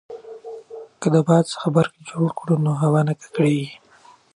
که باد څخه برق جوړ کړو نو هوا نه ککړیږي.